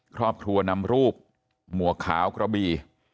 ครอบครัวนำรูปหมวกขาวกระบี